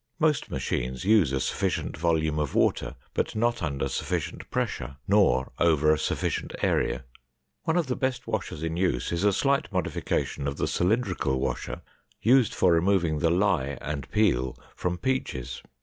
Most machines use a sufficient volume of water, but not under sufficient pressure, nor over a sufficient area. One of the best washers in use is a slight modification of the cylindrical washer used for removing the lye and peel from peaches.